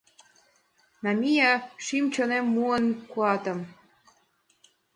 Намия, шӱм-чонеш муын, куатым.